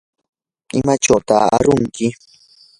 ¿imachawtaq arunki?